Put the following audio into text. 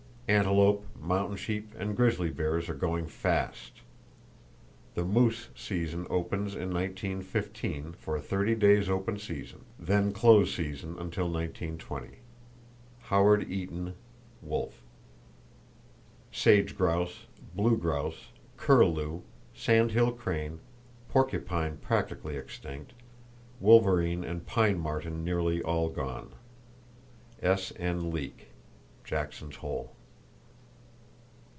Antelope, mountain sheep and grizzly bears are going, fast! The moose season opens in 1915, for a 30 days open season, then close season until 1920.—(Howard Eaton, Wolf.) Sage grouse, blue grouse, curlew, sandhill crane, porcupine practically extinct; wolverine and pine marten nearly all gone.—(S.N. Leek, Jackson's Hole.)